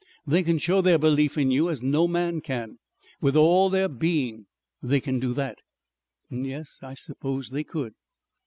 They can show their belief in you as no man can. With all their being they can do that." "Yes, I suppose they could."